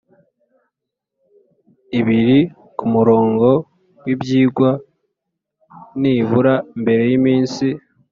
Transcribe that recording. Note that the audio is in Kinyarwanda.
Ibiri ku murongo w ibyigwa nibura mbere y iminsi